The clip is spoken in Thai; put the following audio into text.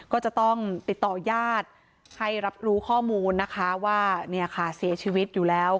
ก็จะต้องติดต่อญาติให้รับรู้ข้อมูลนะคะว่าเนี่ยค่ะเสียชีวิตอยู่แล้ว